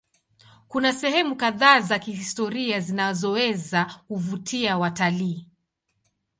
Kuna sehemu kadhaa za kihistoria zinazoweza kuvutia watalii.